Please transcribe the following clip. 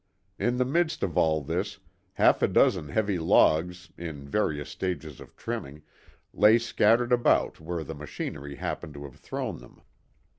In the midst of all this, half a dozen heavy logs, in various stages of trimming, lay scattered about where the machinery happened to have thrown them.